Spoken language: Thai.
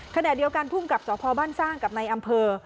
ขณะเดียวกันภูมิกับสพบ้านสร้างกับในอำเภอ